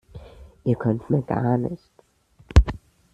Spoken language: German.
Ihr könnt mir gar nichts!